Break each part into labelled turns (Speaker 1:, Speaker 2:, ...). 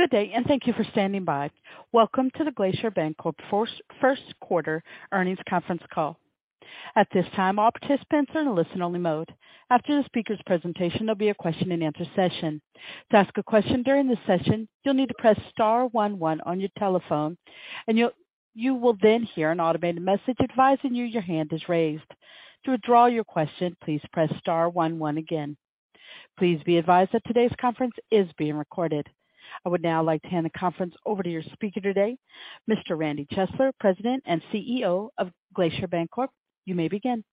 Speaker 1: Good day. Thank you for standing by. Welcome to the Glacier Bancorp First Quarter Earnings Conference Call. At this time, all participants are in a listen-only mode. After the speaker's presentation, there'll be a question-and-answer session. To ask a question during the session, you'll need to press star one one on your telephone, and you will then hear an automated message advising you your hand is raised. To withdraw your question, please press star one one again. Please be advised that today's conference is being recorded. I would now like to hand the conference over to your speaker today, Mr. Randy Chesler, President and CEO of Glacier Bancorp. You may begin.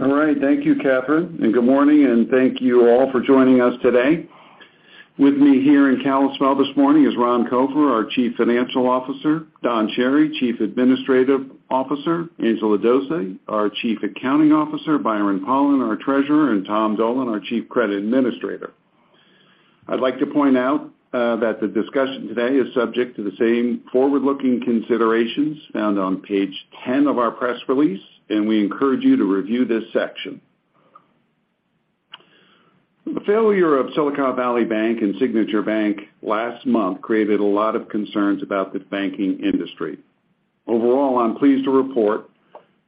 Speaker 2: All right. Thank you, Catherine, and good morning and thank you all for joining us today. With me here in Kalispell this morning is Ron Copher, our Chief Financial Officer, Don Chery, Chief Administrative Officer, Angela Dose, our Chief Accounting Officer, Byron Pollan, our Treasurer, and Tom Dolan, our Chief Credit Administrator. I'd like to point out that the discussion today is subject to the same forward-looking considerations found on page 10 of our press release, and we encourage you to review this section. The failure of Silicon Valley Bank and Signature Bank last month created a lot of concerns about the banking industry. Overall, I'm pleased to report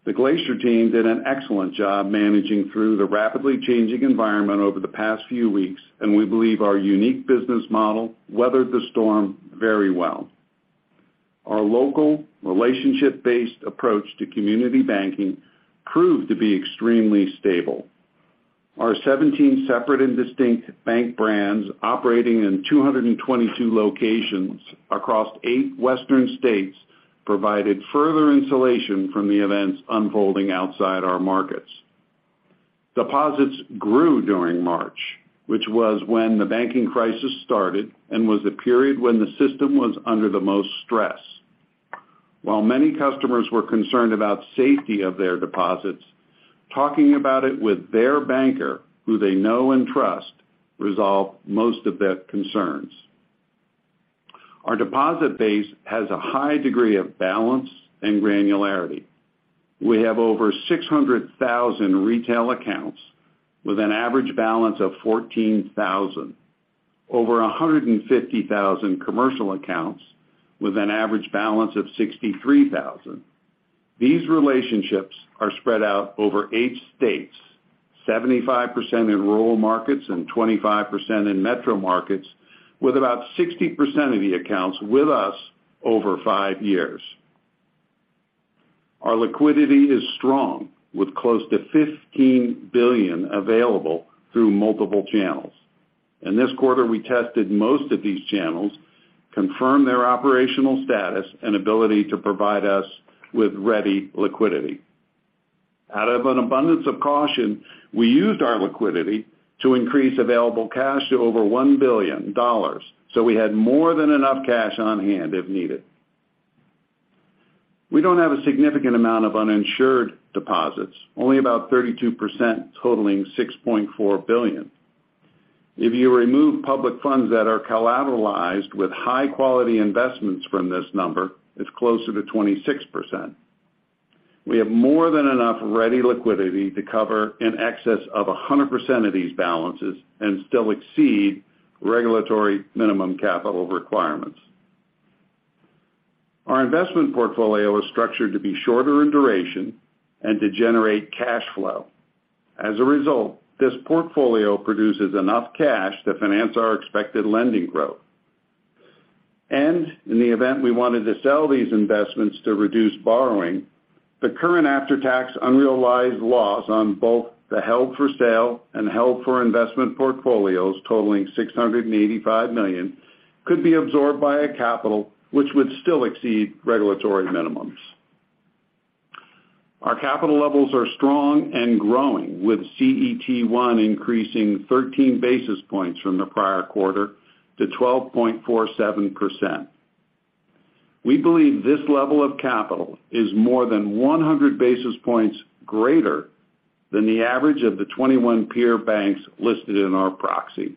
Speaker 2: the Glacier team did an excellent job managing through the rapidly changing environment over the past few weeks, and we believe our unique business model weathered the storm very well. Our local relationship-based approach to community banking proved to be extremely stable. Our 17 separate and distinct bank brands operating in 222 locations across eight Western states provided further insulation from the events unfolding outside our markets. Deposits grew during March, which was when the banking crisis started and was the period when the system was under the most stress. While many customers were concerned about safety of their deposits, talking about it with their banker, who they know and trust, resolved most of their concerns. Our deposit base has a high degree of balance and granularity. We have over 600,000 retail accounts with an average balance of $14,000. Over 150,000 commercial accounts with an average balance of $63,000. These relationships are spread out over eight states, 75% in rural markets and 25% in metro markets, with about 60% of the accounts with us over five years. Our liquidity is strong, with close to $15 billion available through multiple channels. In this quarter, we tested most of these channels, confirmed their operational status and ability to provide us with ready liquidity. Out of an abundance of caution, we used our liquidity to increase available cash to over $1 billion. We had more than enough cash on hand if needed. We don't have a significant amount of uninsured deposits, only about 32% totaling $6.4 billion. If you remove public funds that are collateralized with high-quality investments from this number, it's closer to 26%. We have more than enough ready liquidity to cover in excess of 100% of these balances and still exceed regulatory minimum capital requirements. Our investment portfolio is structured to be shorter in duration and to generate cash flow. As a result, this portfolio produces enough cash to finance our expected lending growth. In the event we wanted to sell these investments to reduce borrowing, the current after-tax unrealized loss on both the held for sale and held for investment portfolios totaling $685 million could be absorbed by a capital which would still exceed regulatory minimums. Our capital levels are strong and growing, with CET1 increasing 13 basis points from the prior quarter to 12.47%. We believe this level of capital is more than 100 basis points greater than the average of the 21 peer banks listed in our proxy.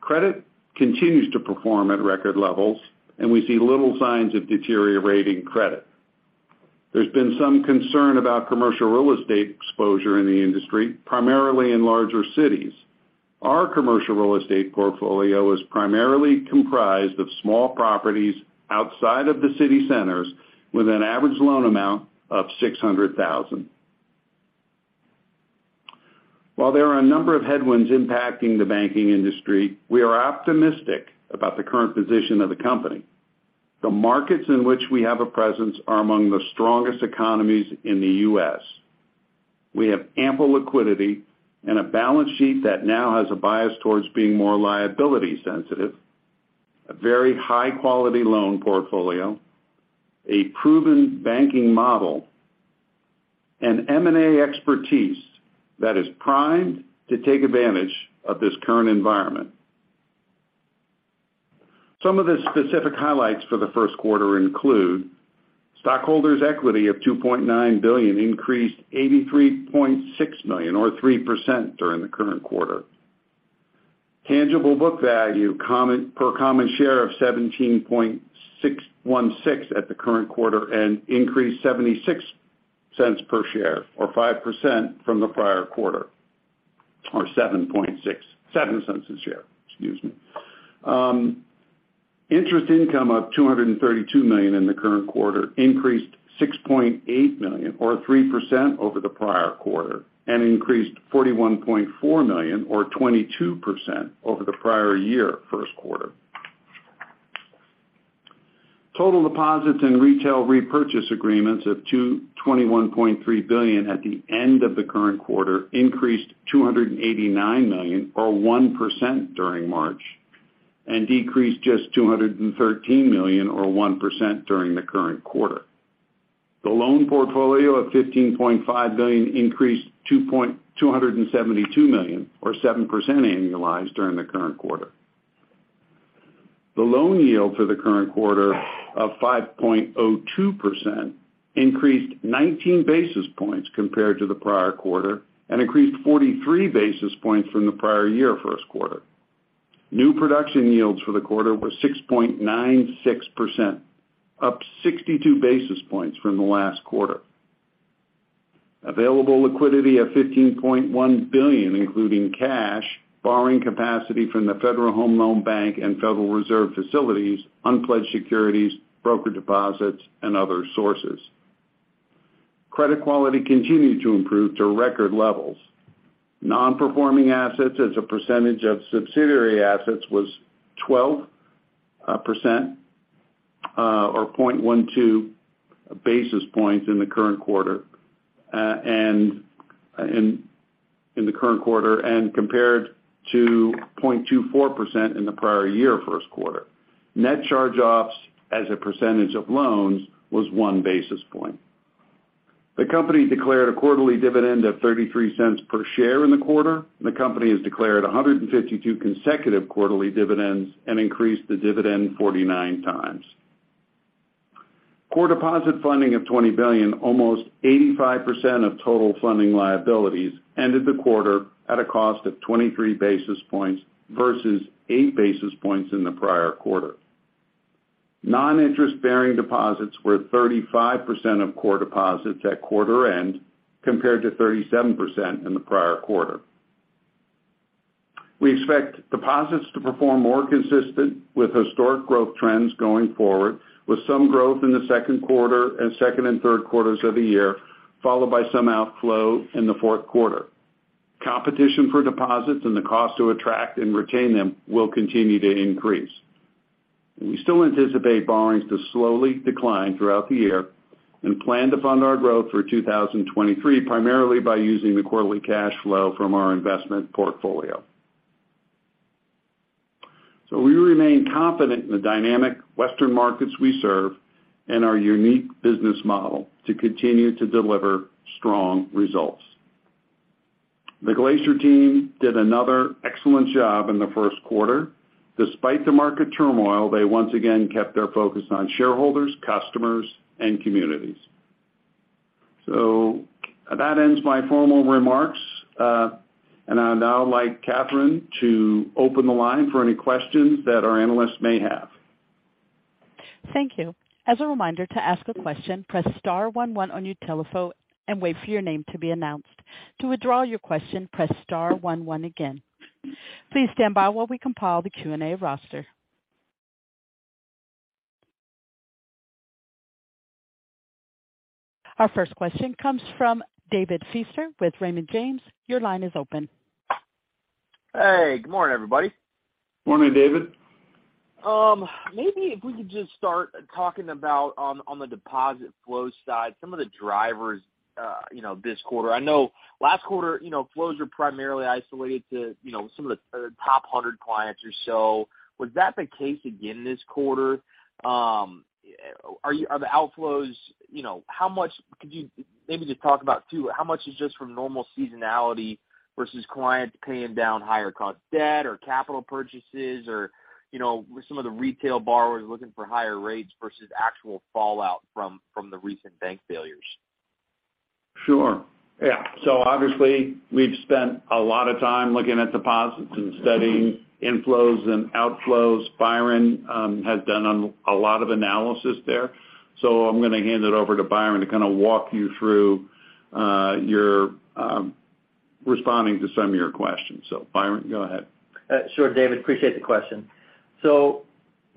Speaker 2: Credit continues to perform at record levels. We see little signs of deteriorating credit. There's been some concern about commercial real estate exposure in the industry, primarily in larger cities. Our commercial real estate portfolio is primarily comprised of small properties outside of the city centers with an average loan amount of $600,000. While there are a number of headwinds impacting the banking industry, we are optimistic about the current position of the company. The markets in which we have a presence are among the strongest economies in the U.S. We have ample liquidity and a balance sheet that now has a bias towards being more liability sensitive, a very high-quality loan portfolio, a proven banking model, and M&A expertise that is primed to take advantage of this current environment. Some of the specific highlights for the first quarter include stockholders' equity of $2.9 billion increased $83.6 million or 3% during the current quarter. Tangible book value per common share of $17.616 at the current quarter and increased $0.76 per share or 5% from the prior quarter, or $0.07 a share, excuse me. Interest income of $232 million in the current quarter increased $6.8 million or 3% over the prior quarter, and increased $41.4 million or 22% over the prior year first quarter. Total deposits and retail repurchase agreements of $21.3 billion at the end of the current quarter increased $289 million or 1% during March, and decreased just $213 million or 1% during the current quarter. The loan portfolio of $15.5 billion increased $272 million or 7% annualized during the current quarter. The loan yield for the current quarter of 5.02% increased 19 basis points compared to the prior quarter and increased 43 basis points from the prior year first quarter. New production yields for the quarter were 6.96%, up 62 basis points from the last quarter. Available liquidity of $15.1 billion, including cash, borrowing capacity from the Federal Home Loan Bank and Federal Reserve facilities, unpledged securities, broker deposits, and other sources. Credit quality continued to improve to record levels. Non-performing assets as a percentage of subsidiary assets was 12%, or 0.12 basis points in the current quarter and compared to 0.24% in the prior year first quarter. Net charge-offs as a percentage of loans was 1 basis point. The company declared a quarterly dividend of $0.33 per share in the quarter. The company has declared 152 consecutive quarterly dividends and increased the dividend 49 times. Core deposit funding of $20 billion, almost 85% of total funding liabilities, ended the quarter at a cost of 23 basis points versus 8 basis points in the prior quarter. Non-interest-bearing deposits were 35% of core deposits at quarter end, compared to 37% in the prior quarter. We expect deposits to perform more consistent with historic growth trends going forward, with some growth in the second quarter and second and third quarters of the year, followed by some outflow in the fourth quarter. Competition for deposits and the cost to attract and retain them will continue to increase. We still anticipate borrowings to slowly decline throughout the year and plan to fund our growth for 2023 primarily by using the quarterly cash flow from our investment portfolio. We remain confident in the dynamic Western markets we serve and our unique business model to continue to deliver strong results. The Glacier team did another excellent job in the first quarter. Despite the market turmoil, they once again kept their focus on shareholders, customers, and communities. That ends my formal remarks. I'd now like Catherine to open the line for any questions that our analysts may have.
Speaker 1: Thank you. As a reminder to ask a question, press star one one on your telephone and wait for your name to be announced. To withdraw your question, press star one one again. Please stand by while we compile the Q&A roster. Our first question comes from David Feaster with Raymond James. Your line is open.
Speaker 3: Hey, good morning, everybody.
Speaker 2: Morning, David.
Speaker 3: Maybe if we could just start talking about on the deposit flow side, some of the drivers, you know, this quarter. I know last quarter, you know, flows were primarily isolated to, you know, some of the top 100 clients or so. Was that the case again this quarter? Are the outflows, you know, how much could you maybe just talk about too, how much is just from normal seasonality versus clients paying down higher cost debt or capital purchases or, you know, some of the retail borrowers looking for higher rates versus actual fallout from the recent bank failures?
Speaker 2: Sure. Yeah. Obviously, we've spent a lot of time looking at deposits and studying inflows and outflows. Byron has done a lot of analysis there. I'm gonna hand it over to Byron to kind of walk you through your responding to some of your questions. Byron, go ahead.
Speaker 4: Sure, David, appreciate the question.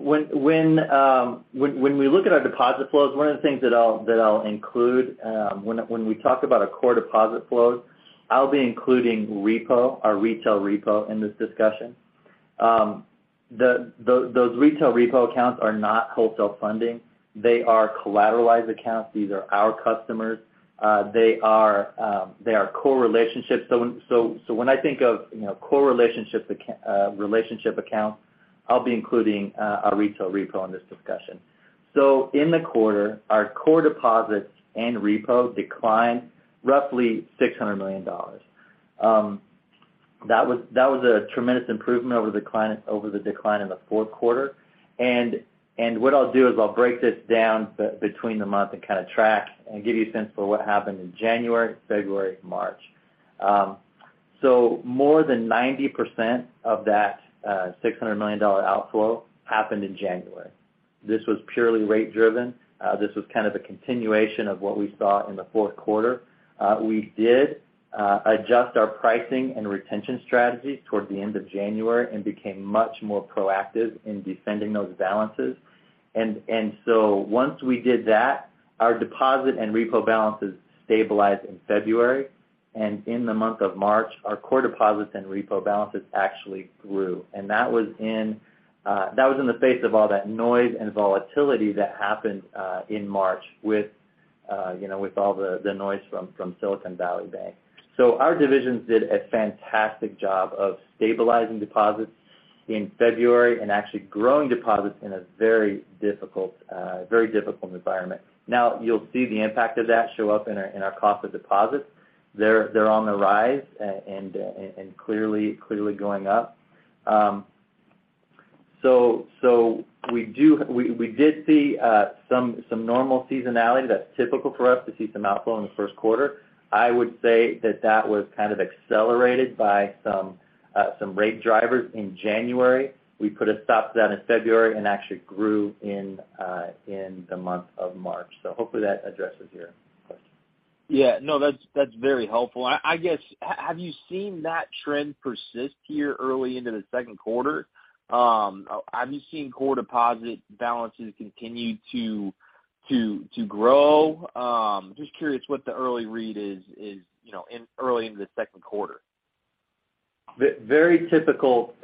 Speaker 4: When we look at our deposit flows, one of the things that I'll include, when we talk about our core deposit flows, I'll be including repo, our retail repo in this discussion. Those retail repo accounts are not wholesale funding. They are collateralized accounts. These are our customers. They are core relationships. When I think of, you know, core relationships relationship accounts, I'll be including our retail repo in this discussion. In the quarter, our core deposits and repo declined roughly $600 million. That was a tremendous improvement over the decline in the fourth quarter. What I'll do is I'll break this down between the month and kind of track and give you a sense for what happened in January, February, March. More than 90% of that, $600 million outflow happened in January. This was purely rate driven. This was kind of a continuation of what we saw in the fourth quarter. We did adjust our pricing and retention strategies towards the end of January and became much more proactive in defending those balances. Once we did that, our deposit and repo balances stabilized in February, and in the month of March, our core deposits and repo balances actually grew. That was in that was in the face of all that noise and volatility that happened in March with, you know, with all the noise from Silicon Valley Bank. Our divisions did a fantastic job of stabilizing deposits in February and actually growing deposits in a very difficult, very difficult environment. Now, you'll see the impact of that show up in our cost of deposits. They're on the rise and clearly going up. We did see some normal seasonality that's typical for us to see some outflow in the first quarter. I would say that that was kind of accelerated by some rate drivers in January. We put a stop to that in February and actually grew in the month of March. Hopefully that addresses your question.
Speaker 3: Yeah. No, that's very helpful. I guess, have you seen that trend persist here early into the second quarter? Have you seen core deposit balances continue to grow? Just curious what the early read is, you know, in early into the second quarter.
Speaker 4: Very typical,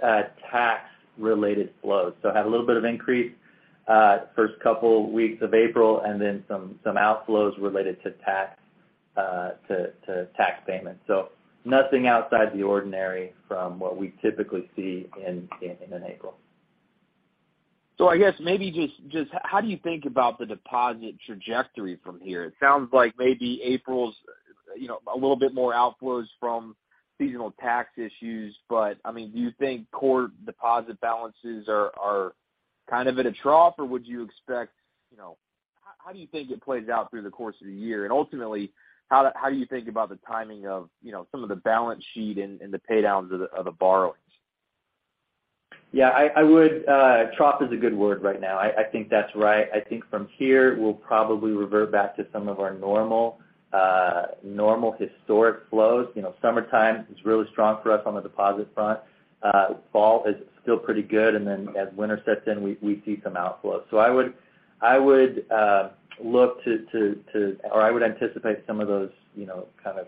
Speaker 4: tax-related flows. Had a little bit of increase, first couple weeks of April and then some outflows related to tax, to tax payments. Nothing outside the ordinary from what we typically see in an April.
Speaker 3: I guess maybe just how do you think about the deposit trajectory from here? It sounds like maybe April's, you know, a little bit more outflows from seasonal tax issues. I mean, do you think core deposit balances are kind of at a trough, or would you expect, you know? How do you think it plays out through the course of the year? Ultimately, how do you think about the timing of, you know, some of the balance sheet and the pay downs of the borrowings?
Speaker 4: Yeah, I would, trough is a good word right now. I think that's right. I think from here, we'll probably revert back to some of our normal historic flows. You know, summertime is really strong for us on the deposit front. Fall is still pretty good, and then as winter sets in, we see some outflows. I would anticipate some of those, you know, kind of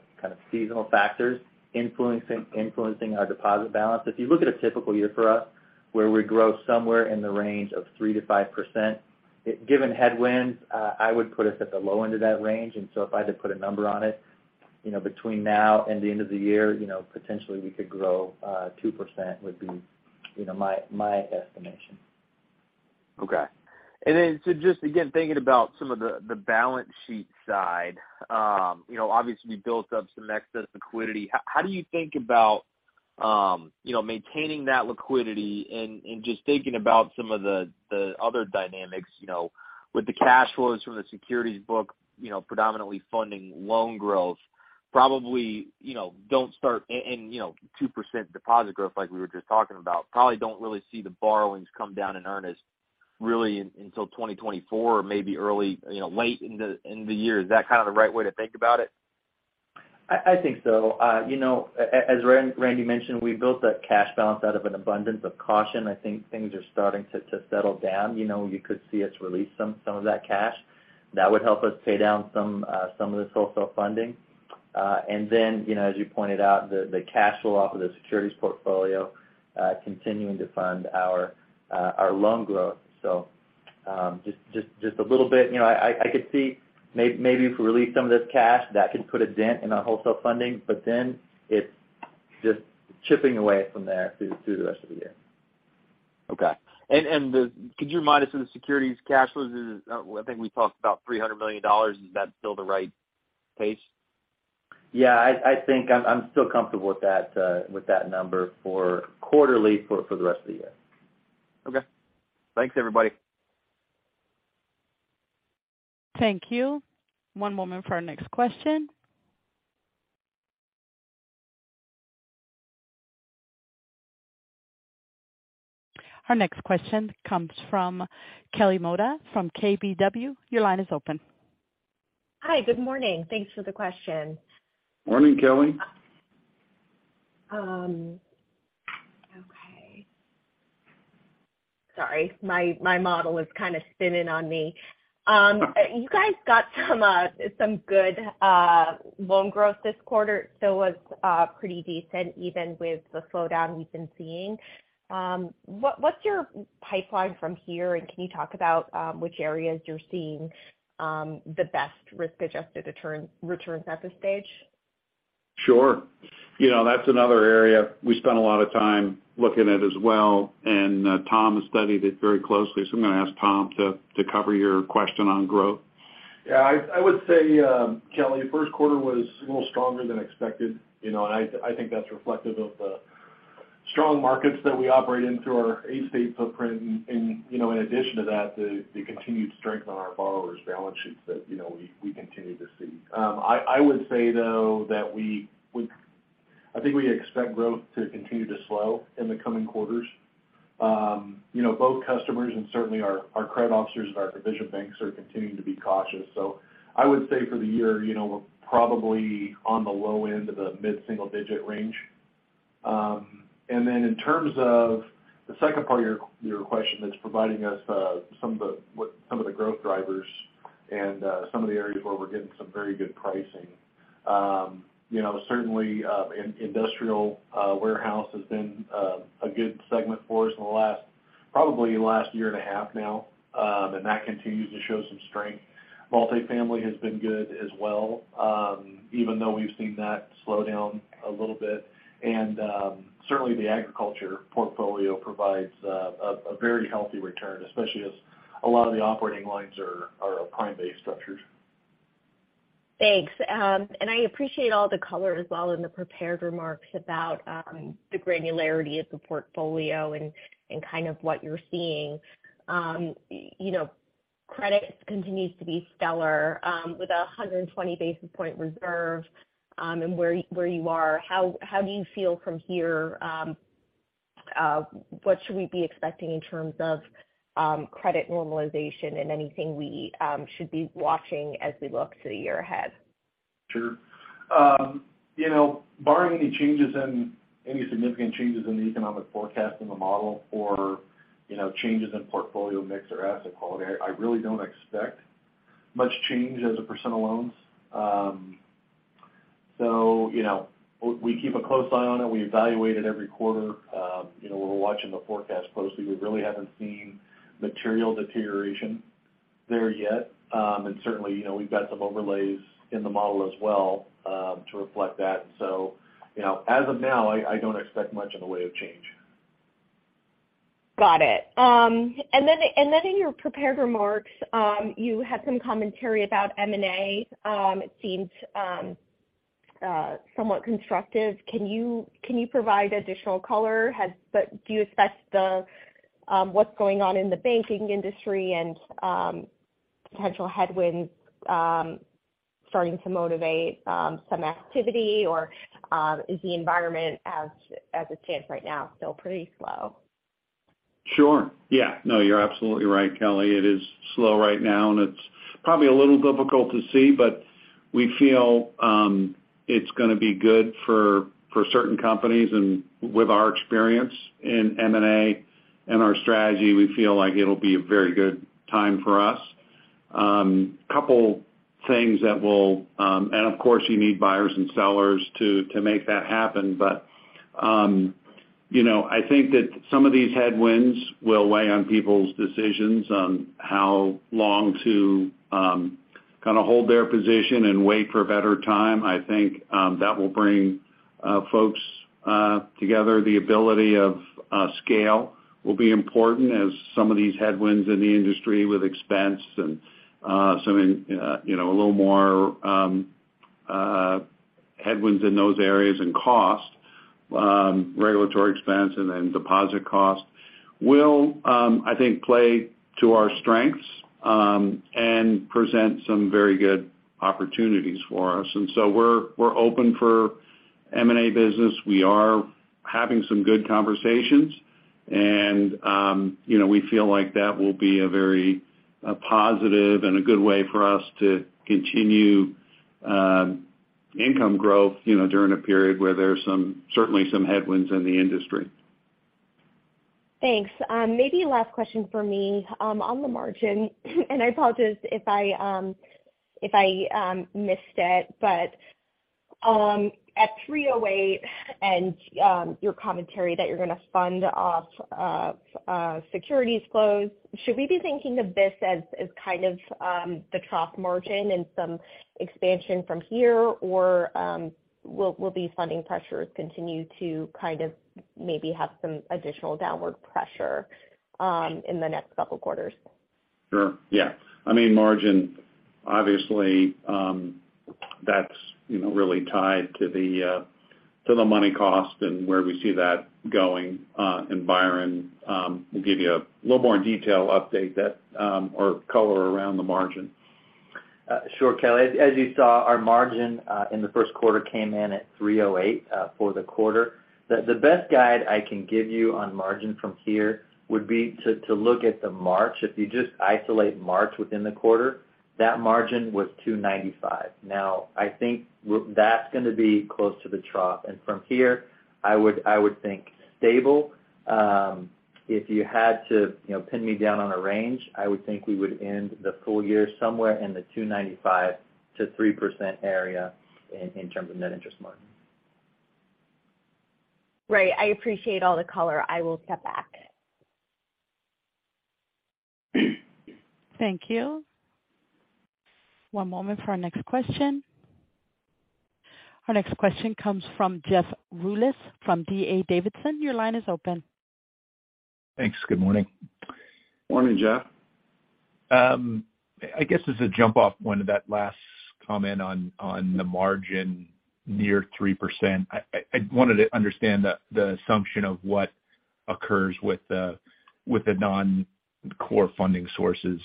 Speaker 4: seasonal factors influencing our deposit balance. If you look at a typical year for us, where we grow somewhere in the range of 3%-5%, given headwinds, I would put us at the low end of that range. If I had to put a number on it, you know, between now and the end of the year, you know, potentially we could grow, 2% would be, you know, my estimation.
Speaker 3: Okay. Just, again, thinking about some of the balance sheet side, you know, obviously you built up some excess liquidity. How do you think about, you know, maintaining that liquidity and just thinking about some of the other dynamics, you know, with the cash flows from the securities book, you know, predominantly funding loan growth, probably, you know, and, you know, 2% deposit growth like we were just talking about, probably don't really see the borrowings come down in earnest really until 2024 or maybe early, you know, late in the year. Is that kind of the right way to think about it?
Speaker 4: I think so. You know, as Randy mentioned, we built that cash balance out of an abundance of caution. I think things are starting to settle down. You know, you could see us release some of that cash. That would help us pay down some of this wholesale funding. You know, as you pointed out, the cash flow off of the securities portfolio, continuing to fund our loan growth. Just a little bit. You know, I could see maybe if we release some of this cash, that could put a dent in our wholesale funding, it's just chipping away from there through the rest of the year.
Speaker 3: Okay. The could you remind us of the securities cash flows? I think we talked about $300 million. Is that still the right pace?
Speaker 4: Yeah, I think I'm still comfortable with that, with that number for quarterly for the rest of the year.
Speaker 3: Okay. Thanks, everybody.
Speaker 1: Thank you. One moment for our next question. Our next question comes from Kelly Motta from KBW. Your line is open.
Speaker 5: Hi. Good morning. Thanks for the question.
Speaker 2: Morning, Kelly.
Speaker 5: Okay. Sorry, my model is kind of spinning on me. You guys got some good loan growth this quarter, so it was pretty decent even with the slowdown we've been seeing. What, what's your pipeline from here, and can you talk about which areas you're seeing the best risk-adjusted returns at this stage?
Speaker 2: Sure. You know, that's another area we spent a lot of time looking at as well, and Tom has studied it very closely. I'm gonna ask Tom to cover your question on growth.
Speaker 6: Yeah, I would say, Kelly, first quarter was a little stronger than expected. You know, and I think that's reflective of the. Strong markets that we operate in through our eight-state footprint. You know, in addition to that, the continued strength on our borrowers' balance sheets that, you know, we continue to see. I would say though that I think we expect growth to continue to slow in the coming quarters. You know, both customers and certainly our credit officers at our division banks are continuing to be cautious. I would say for the year, you know, we're probably on the low end of the mid-single digit range. Then in terms of the second part of your question that's providing us some of the growth drivers and some of the areas where we're getting some very good pricing. you know, certainly, industrial, warehouse has been a good segment for us in the last, probably last year and a half now. That continues to show some strength. Multifamily has been good as well, even though we've seen that slow down a little bit. Certainly the agriculture portfolio provides a very healthy return, especially as a lot of the operating lines are prime-based structures.
Speaker 5: Thanks. I appreciate all the color as well in the prepared remarks about the granularity of the portfolio and kind of what you're seeing. You know, credit continues to be stellar with a 120 basis point reserve and where you are. How do you feel from here? What should we be expecting in terms of credit normalization and anything we should be watching as we look to the year ahead?
Speaker 6: Sure. You know, barring any significant changes in the economic forecast in the model or, you know, changes in portfolio mix or asset quality, I really don't expect much change as a percent of loans. You know, we keep a close eye on it. We evaluate it every quarter. You know, we're watching the forecast closely. We really haven't seen material deterioration there yet. Certainly, you know, we've got some overlays in the model as well to reflect that. You know, as of now, I don't expect much in the way of change.
Speaker 5: Got it. In your prepared remarks, you had some commentary about M&A. It seemed somewhat constructive. Can you provide additional color? Do you assess the what's going on in the banking industry and potential headwinds starting to motivate some activity? Is the environment as it stands right now still pretty slow?
Speaker 6: Sure. Yeah. No, you're absolutely right, Kelly. It is slow right now, and it's probably a little difficult to see, but we feel it's gonna be good for certain companies and with our experience in M&A and our strategy, we feel like it'll be a very good time for us. Couple things that will, and of course you need buyers and sellers to make that happen. You know, I think that some of these headwinds will weigh on people's decisions on how long to kind of hold their position and wait for a better time. I think that will bring folks together. The ability of scale will be important as some of these headwinds in the industry with expense and some in, you know, a little more headwinds in those areas and cost, regulatory expense and then deposit cost will, I think play to our strengths, and present some very good opportunities for us. We're, we're open for M&A business. We are having some good conversations and, you know, we feel like that will be a very positive and a good way for us to continue income growth, you know, during a period where there's some, certainly some headwinds in the industry.
Speaker 5: Thanks. Maybe last question for me on the margin. I apologize if I missed it, but at 3.08% and your commentary that you're gonna fund off securities close, should we be thinking of this as kind of the trough margin and some expansion from here? Will these funding pressures continue to kind of maybe have some additional downward pressure in the next couple quarters?
Speaker 6: Sure, yeah. I mean, margin obviously, that's, you know, really tied to the to the money cost and where we see that going. Byron will give you a little more in detail update that or color around the margin.
Speaker 4: Sure, Kelly. As you saw, our margin in the first quarter came in at 3.08% for the quarter. The best guide I can give you on margin from here would be to look at the March. If you just isolate March within the quarter, that margin was 2.95%. I think that's gonna be close to the trough. From here, I would think stable. If you had to, you know, pin me down on a range, I would think we would end the full year somewhere in the 2.95%-3% area in terms of net interest margin.
Speaker 5: Great. I appreciate all the color. I will step back.
Speaker 1: Thank you. One moment for our next question. Our next question comes from Jeff Rulis from D.A. Davidson. Your line is open.
Speaker 7: Thanks. Good morning.
Speaker 2: Morning, Jeff.
Speaker 7: I guess as a jump off point of that last comment on the margin near 3%, I wanted to understand the assumption of what occurs with the non-core funding sources.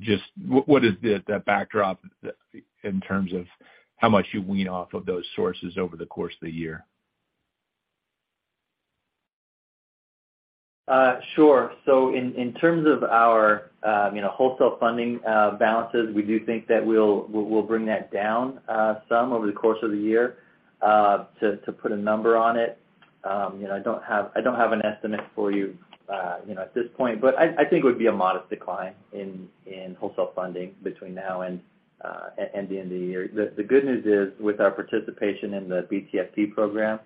Speaker 7: Just what is the backdrop in terms of how much you wean off of those sources over the course of the year?
Speaker 4: Sure. In terms of our, you know, wholesale funding balances, we do think that we'll bring that down some over the course of the year. To put a number on it, you know, I don't have an estimate for you know, at this point, but I think it would be a modest decline in wholesale funding between now and the end of the year. The good news is, with our participation in the BTFP program,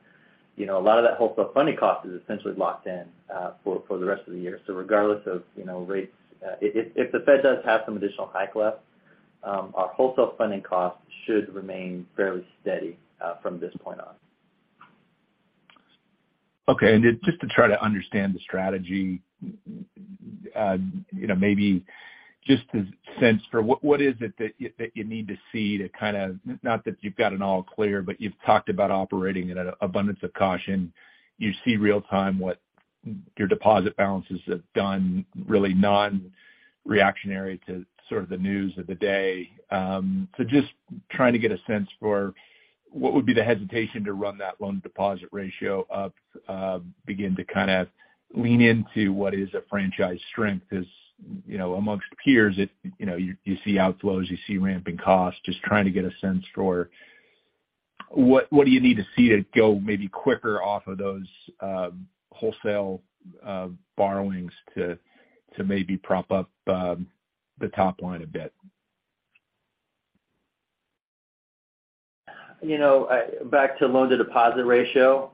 Speaker 4: you know, a lot of that wholesale funding cost is essentially locked in for the rest of the year. Regardless of, you know, rates, if the Fed does have some additional hike left, our wholesale funding costs should remain fairly steady from this point on.
Speaker 7: Okay. Just to try to understand the strategy, you know, maybe just a sense for what is it that you, that you need to see not that you've got an all clear, but you've talked about operating at an abundance of caution? You see real time what your deposit balances have done, really non-reactionary to sort of the news of the day. Just trying to get a sense for what would be the hesitation to run that loan deposit ratio up, begin to kind of lean into what is a franchise strength as, you know, amongst peers, you know, you see outflows, you see ramping costs? Just trying to get a sense for what do you need to see to go maybe quicker off of those wholesale borrowings to maybe prop up the top line a bit.
Speaker 4: You know, back to loan-to-deposit ratio,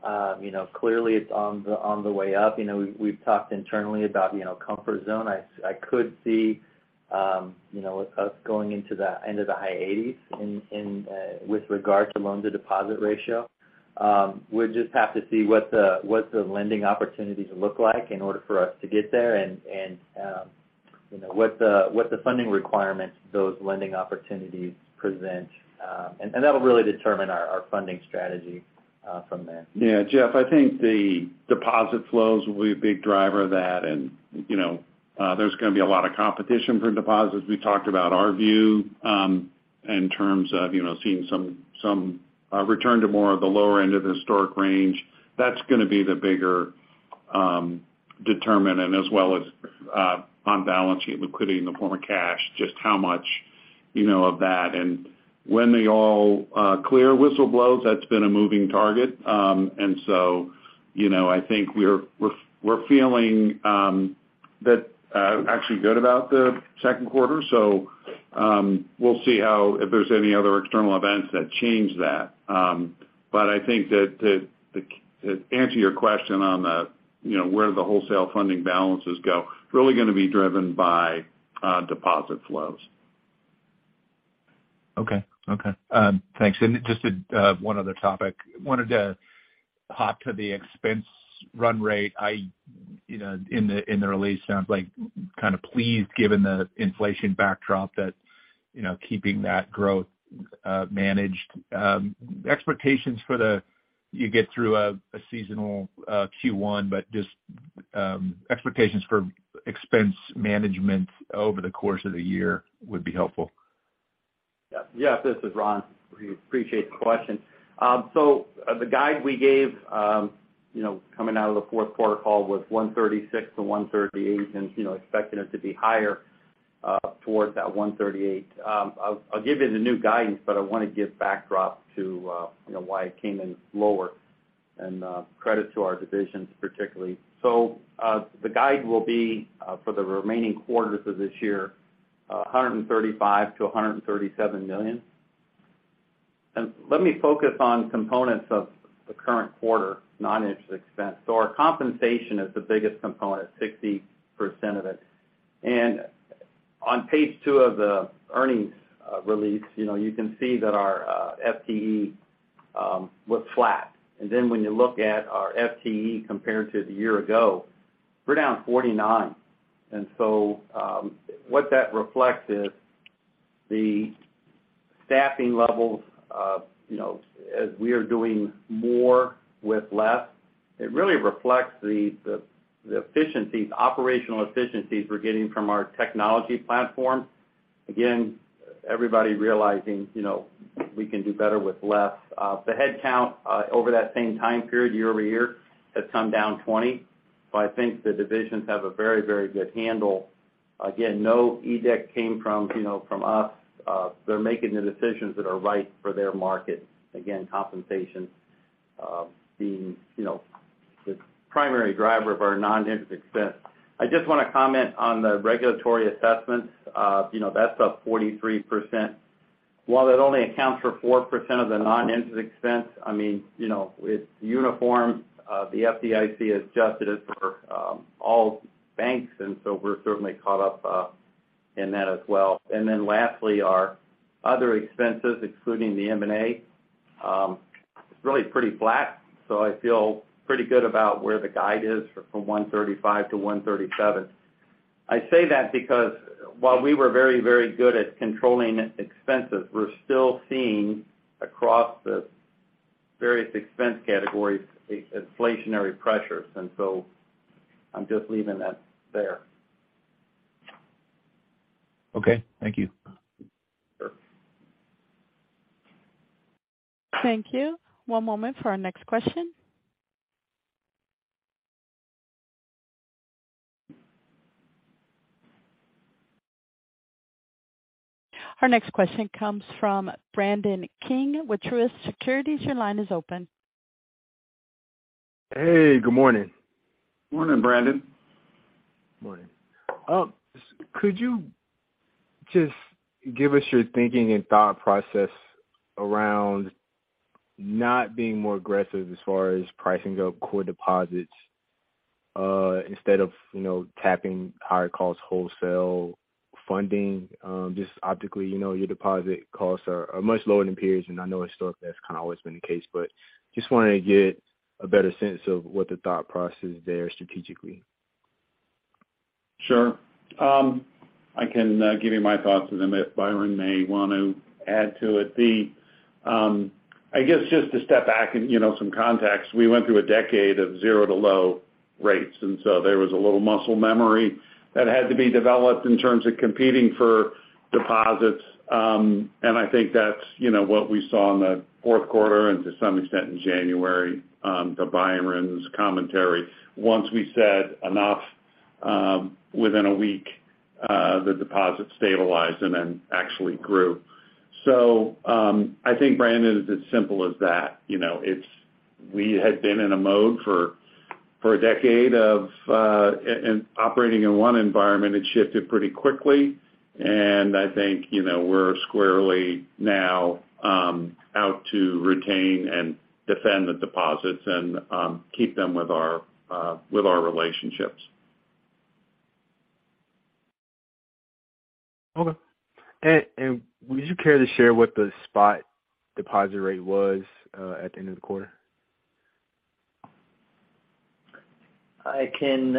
Speaker 4: clearly it's on the way up. You know, we've talked internally about, you know, comfort zone. I could see us going into the end of the high eighties in with regard to loan-to-deposit ratio. We'll just have to see what the lending opportunities look like in order for us to get there and what the funding requirements those lending opportunities present. That'll really determine our funding strategy from there.
Speaker 2: Yeah, Jeff, I think the deposit flows will be a big driver of that. You know, there's gonna be a lot of competition for deposits. We talked about our view, in terms of, you know, seeing some return to more of the lower end of the historic range. That's gonna be the bigger determinant as well as on balance sheet liquidity in the form of cash, just how much, you know, of that. When they all clear whistleblows, that's been a moving target. You know, I think we're feeling that actually good about the second quarter. We'll see how if there's any other external events that change that. I think that to answer your question on the, you know, where the wholesale funding balances go, it's really gonna be driven by deposit flows.
Speaker 7: Okay. Okay. Thanks. Just one other topic. Wanted to hop to the expense run rate. I, you know, in the, in the release, sounds like kind of pleased, given the inflation backdrop that, you know, keeping that growth managed. You get through a seasonal Q1, but just, expectations for expense management over the course of the year would be helpful.
Speaker 8: Yes, this is Ron. We appreciate the question. The guide we gave, you know, coming out of the fourth quarter call was $136-$138 and, you know, expecting it to be higher towards that $138. I'll give you the new guidance, but I wanna give backdrop to, you know, why it came in lower and credit to our divisions particularly. The guide will be for the remaining quarters of this year, $135 million-$137 million. Let me focus on components of the current quarter non-interest expense. Our compensation is the biggest component at 60% of it. On page 2 of the earnings release, you know, you can see that our FTE was flat. When you look at our FTE compared to the year ago, we're down 49. What that reflects is the staffing levels of, you know, as we are doing more with less, it really reflects the, the efficiencies, operational efficiencies we're getting from our technology platform. Again, everybody realizing, you know, we can do better with less. The headcount, over that same time period, year-over-year, has come down 20. I think the divisions have a very, very good handle. Again, no edict came from, you know, from us. They're making the decisions that are right for their market. Again, compensation, being, you know, the primary driver of our non-interest expense. I just wanna comment on the regulatory assessments. You know, that's up 43%. While it only accounts for 4% of the non-interest expense, I mean, you know, it's uniform. The FDIC has adjusted it for all banks, we're certainly caught up in that as well. Lastly, our other expenses, excluding the M&A. It's really pretty flat, so I feel pretty good about where the guide is from $135 million-$137 million. I say that because while we were very, very good at controlling expenses, we're still seeing across the various expense categories, inflationary pressures. I'm just leaving that there.
Speaker 7: Okay. Thank you.
Speaker 2: Sure.
Speaker 1: Thank you. One moment for our next question. Our next question comes from Brandon King with Truist Securities. Your line is open.
Speaker 9: Hey, good morning.
Speaker 2: Morning, Brandon.
Speaker 9: Morning. Could you just give us your thinking and thought process around not being more aggressive as far as pricing up core deposits, instead of, you know, tapping higher cost wholesale funding? Just optically, you know, your deposit costs are much lower than peers, and I know historically that's kind of always been the case, but just wanted to get a better sense of what the thought process is there strategically.
Speaker 2: Sure. I can give you my thoughts and then if Byron may want to add to it. I guess just to step back and, you know, some context. We went through a decade of zero to low rates, and so there was a little muscle memory that had to be developed in terms of competing for deposits. I think that's, you know, what we saw in the fourth quarter and to some extent in January, to Byron's commentary. Once we said enough, within a week, the deposits stabilized and then actually grew. I think, Brandon, it's as simple as that. You know, we had been in a mode for a decade of operating in one environment. It shifted pretty quickly, and I think, you know, we're squarely now, out to retain and defend the deposits and, keep them with our, with our relationships.
Speaker 9: Okay. And would you care to share what the spot deposit rate was, at the end of the quarter?
Speaker 4: I can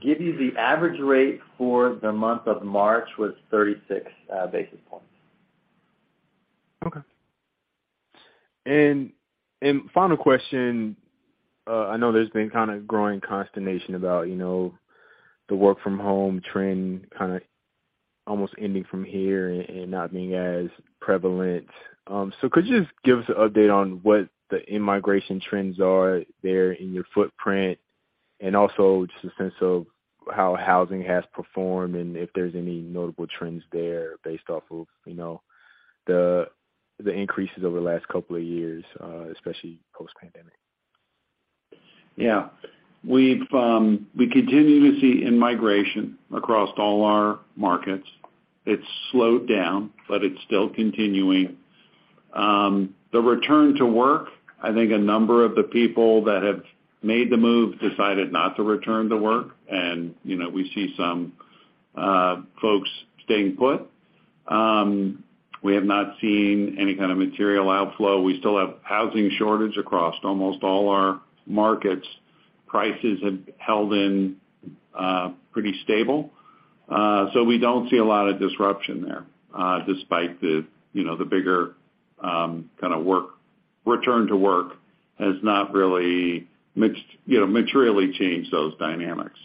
Speaker 4: give you the average rate for the month of March was 36 basis points.
Speaker 9: Okay. Final question. I know there's been kind of growing consternation about, you know, the work from home trend kind of almost ending from here and not being as prevalent. Could you just give us an update on what the in-migration trends are there in your footprint? Also just a sense of how housing has performed and if there's any notable trends there based off of, you know, the increases over the last couple of years, especially post-pandemic.
Speaker 2: Yeah. We've, we continue to see in-migration across all our markets. It's slowed down, but it's still continuing. The return to work, I think a number of the people that have made the move decided not to return to work. You know, we see some folks staying put. We have not seen any kind of material outflow. We still have housing shortage across almost all our markets. Prices have held in, pretty stable. We don't see a lot of disruption there, despite the, you know, the bigger, kind of return to work has not really mixed, you know, materially changed those dynamics.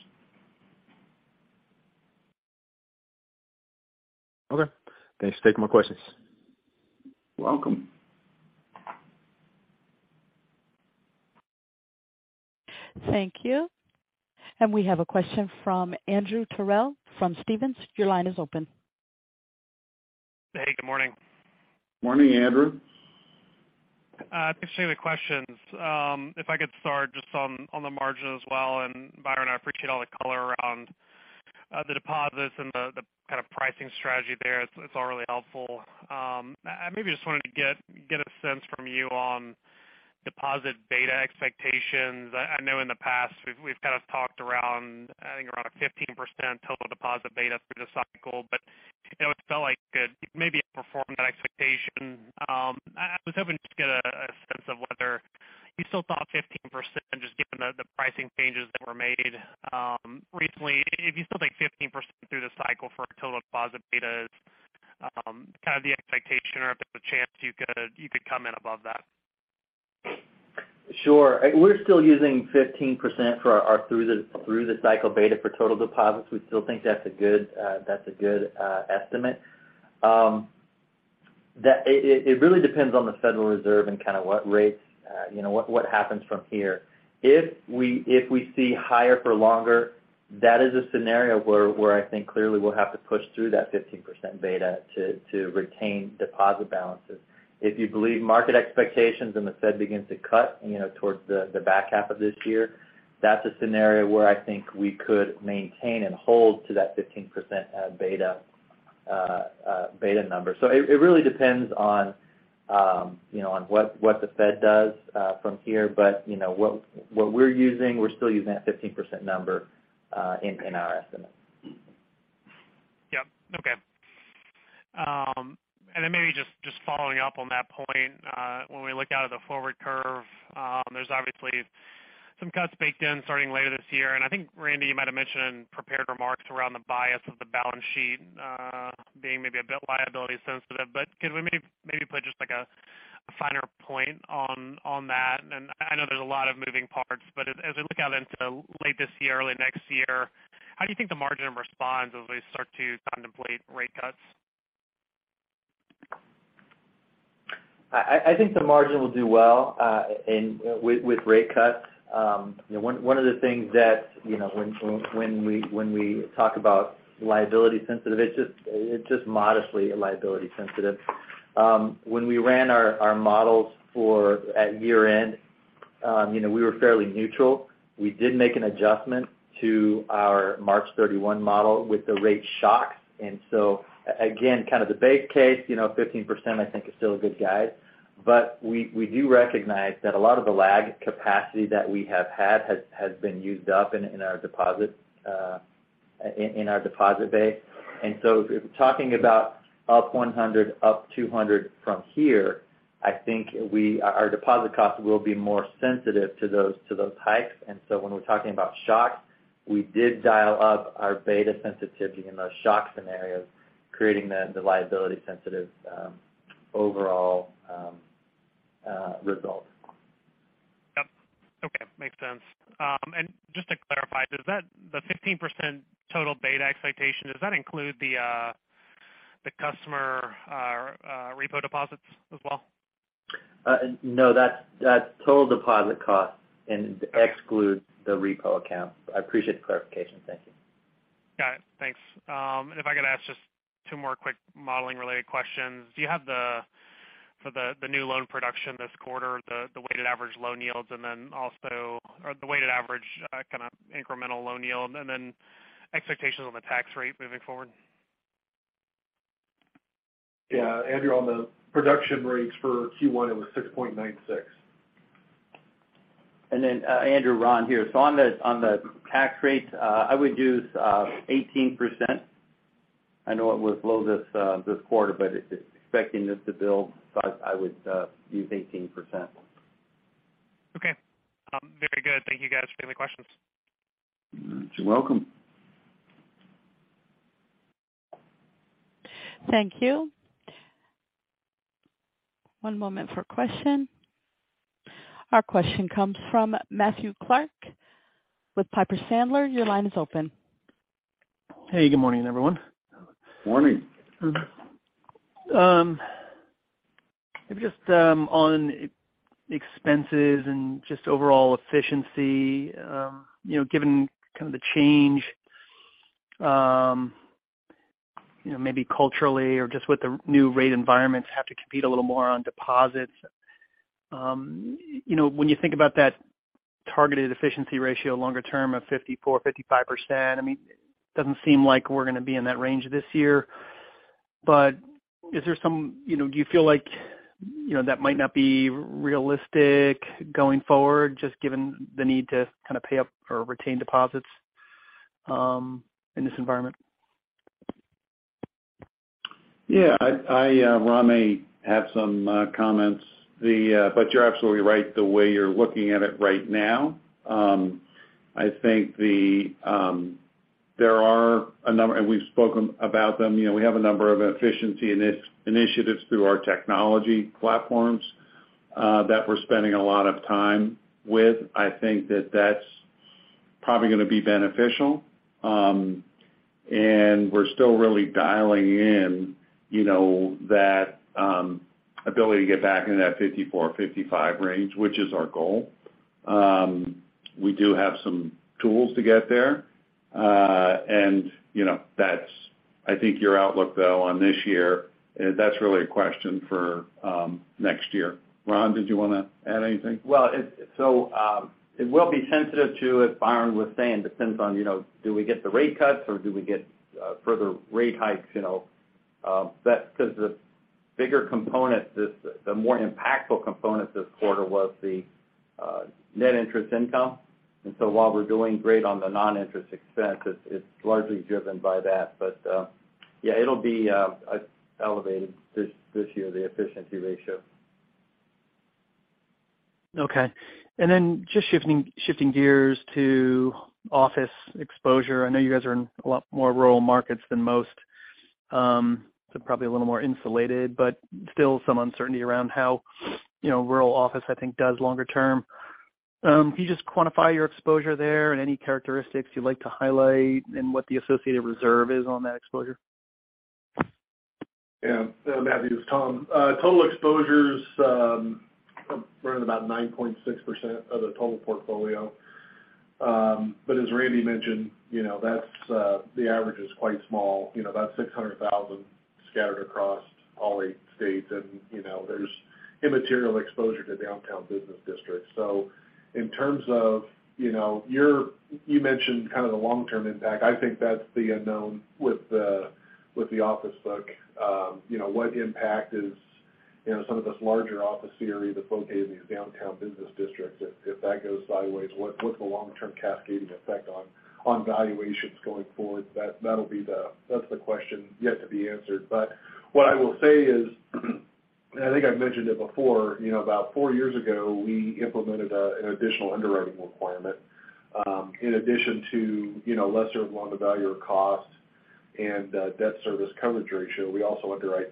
Speaker 9: Okay. Thanks. Take more questions.
Speaker 2: Welcome.
Speaker 1: Thank you. We have a question from Andrew Terrell from Stephens. Your line is open.
Speaker 10: Hey, good morning.
Speaker 2: Morning, Andrew.
Speaker 10: Thanks for taking the questions. If I could start just on the margin as well. Byron, I appreciate all the color around the deposits and the kind of pricing strategy there. It's all really helpful. I maybe just wanted to get a sense from you on deposit beta expectations. I know in the past we've kind of talked around, I think around a 15% total deposit beta through the cycle. You know, it felt like it maybe outperformed that expectation. I was hoping to get a sense of whether you still thought 15% just given the pricing changes that were made recently. If you still think 15% through the cycle for total deposit betas, kind of the expectation or if there's a chance you could come in above that.
Speaker 4: Sure. We're still using 15% for our through the cycle beta for total deposits. We still think that's a good, that's a good estimate. It really depends on the Federal Reserve and kind of what rates, you know, what happens from here. If we see higher for longer, that is a scenario where I think clearly we'll have to push through that 15% beta to retain deposit balances. If you believe market expectations and the Fed begins to cut, you know, towards the back half of this year, that's a scenario where I think we could maintain and hold to that 15% beta number. It really depends on, you know, on what the Fed does from here. You know, what we're using, we're still using that 15% number in our estimate.
Speaker 10: Yep. Then maybe just following up on that point, when we look out at the forward curve, there's obviously some cuts baked in starting later this year. I think, Randy, you might have mentioned in prepared remarks around the bias of the balance sheet, being maybe a bit liability sensitive. Can we maybe put just like a finer point on that? I know there's a lot of moving parts, but as we look out into late this year, early next year, how do you think the margin responds as we start to contemplate rate cuts?
Speaker 4: I think the margin will do well with rate cuts. You know, one of the things that, you know, when we talk about liability sensitive, it's just modestly liability sensitive. When we ran our models for, at year-end, you know, we were fairly neutral. We did make an adjustment to our March 31 model with the rate shocks. Again, kind of the base case, you know, 15% I think is still a good guide. But we do recognize that a lot of the lag capacity that we have had has been used up in our deposit, in our deposit base. Talking about up 100, up 200 from here, I think our deposit costs will be more sensitive to those hikes. When we're talking about shocks, we did dial up our beta sensitivity in those shock scenarios, creating the liability sensitive, overall, result.
Speaker 10: Yep. Okay. Makes sense. Just to clarify, the 15% total beta expectation, does that include the customer repo deposits as well?
Speaker 4: No, that's total deposit cost and excludes the repo account. I appreciate the clarification. Thank you.
Speaker 10: Got it. Thanks. If I could ask just two more quick modeling related questions. Do you have for the new loan production this quarter, the weighted average loan yields, or the weighted average kind of incremental loan yield, and then expectations on the tax rate moving forward?
Speaker 6: Yeah, Andrew, on the production rates for Q1, it was 6.96.
Speaker 8: Andrew, Ron here. On the, on the tax rates, I would use 18%. I know it was low this quarter, but it's expecting this to build, I would use 18%.
Speaker 10: Okay. Very good. Thank you, guys, for taking the questions.
Speaker 6: You're welcome.
Speaker 1: Thank you. One moment for question. Our question comes from Matthew Clark with Piper Sandler. Your line is open.
Speaker 11: Hey, good morning, everyone.
Speaker 6: Morning.
Speaker 11: Maybe just, on e-expenses and just overall efficiency, you know, given kind of the change, you know, maybe culturally or just with the new rate environments have to compete a little more on deposits. You know, when you think about that targeted efficiency ratio longer term of 54%-55%, I mean, it doesn't seem like we're gonna be in that range this year. Do you feel like, you know, that might not be realistic going forward, just given the need to kind of pay up or retain deposits, in this environment?
Speaker 2: Yeah, I, Ron may have some comments. You're absolutely right the way you're looking at it right now. I think the, there are a number, and we've spoken about them. You know, we have a number of efficiency initiatives through our technology platforms that we're spending a lot of time with. I think that that's probably gonna be beneficial. We're still really dialing in, you know, that ability to get back into that 54%, 55% range, which is our goal. We do have some tools to get there. You know, that's, I think your outlook though on this year, that's really a question for next year. Ron, did you wanna add anything?
Speaker 8: Well, it will be sensitive to, as Byron was saying, depends on, you know, do we get the rate cuts or do we get further rate hikes, you know. That's 'cause the bigger component the more impactful component this quarter was the net interest income. While we're doing great on the non-interest expense, it's largely driven by that. Yeah, it'll be elevated this year, the efficiency ratio.
Speaker 11: Okay. Just shifting gears to office exposure. I know you guys are in a lot more rural markets than most, so probably a little more insulated, but still some uncertainty around how, you know, rural office, I think, does longer term. Can you just quantify your exposure there and any characteristics you'd like to highlight and what the associated reserve is on that exposure?
Speaker 6: Yeah. Matthew, it's Tom. Total exposures run about 9.6% of the total portfolio. As Randy mentioned, you know, that's the average is quite small. You know, about $600,000 scattered across all eight states. You know, there's immaterial exposure to downtown business districts. In terms of, you know, you mentioned kind of the long-term impact. I think that's the unknown with the, with the office book. You know, some of this larger office CRE that's located in these downtown business districts, if that goes sideways, what's the long-term cascading effect on valuations going forward? That's the question yet to be answered. What I will say is, and I think I've mentioned it before, you know, about four years ago, we implemented an additional underwriting requirement. In addition to, you know, lesser loan to value or cost and, debt service coverage ratio, we also underwrite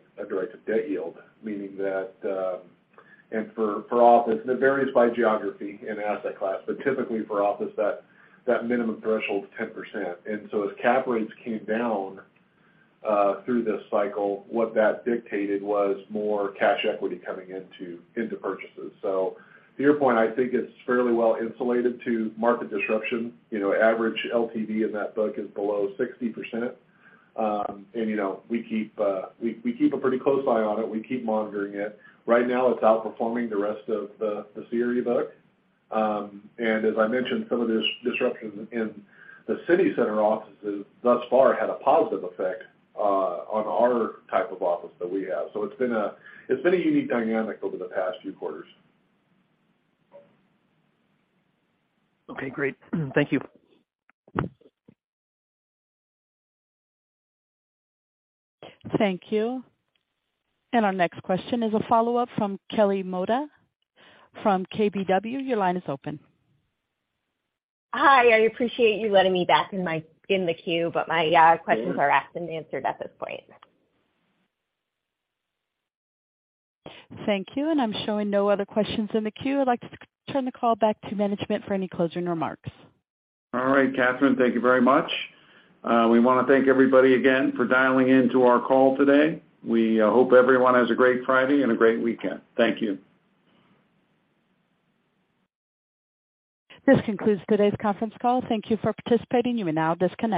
Speaker 6: to debt yield. Meaning that, and for office, it varies by geography and asset class, but typically for office that minimum threshold is 10%. As cap rates came down, through this cycle, what that dictated was more cash equity coming into purchases. To your point, I think it's fairly well insulated to market disruption. You know, average LTV in that book is below 60%. You know, we keep a pretty close eye on it. We keep monitoring it. Right now it's outperforming the rest of the CRE book. As I mentioned, some of this disruption in the city center offices thus far had a positive effect on our type of office that we have. It's been a unique dynamic over the past few quarters.
Speaker 11: Okay, great. Thank you.
Speaker 1: Thank you. Our next question is a follow-up from Kelly Motta from KBW. Your line is open.
Speaker 5: Hi, I appreciate you letting me back in my, in the queue, but my questions are asked and answered at this point.
Speaker 1: Thank you. I'm showing no other questions in the queue. I'd like to turn the call back to management for any closing remarks.
Speaker 2: All right, Catherine, thank you very much. We wanna thank everybody again for dialing in to our call today. We hope everyone has a great Friday and a great weekend. Thank you.
Speaker 1: This concludes today's conference call. Thank you for participating. You may now disconnect.